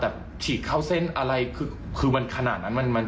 แต่ฉีกเข้าเส้นอะไรคือมันขนาดนั้น